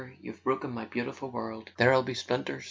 You've broken my beautiful world! There'll be splinters.